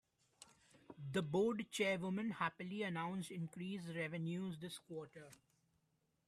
The board chairwoman happily announced increased revenues this quarter.